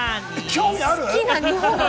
興味ある？